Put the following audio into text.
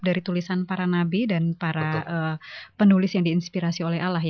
dari tulisan para nabi dan para penulis yang diinspirasi oleh allah